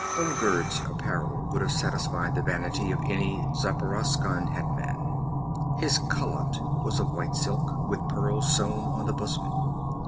Olgerd's apparel would have satisfied the vanity of any Zaporoskan hetman. His khalat was of white silk, with pearls sewn on the bosom.